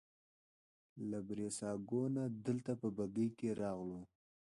له بریساګو نه دلته په بګۍ کې راغلو.